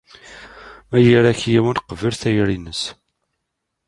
Ma ira-k yiwen, qbel tayri-nnes.